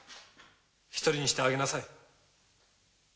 一人にしてあげなさい。